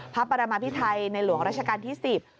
พระปรมาพิไทยในหลวงราชการที่๑๐